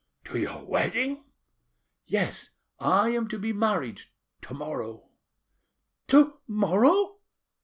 "To your wedding?" "Yes; I am to be married to morrow." "To morrow?